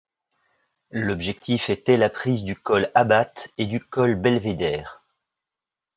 L'objectif était la prise du colle Abate et du colle Belvédère.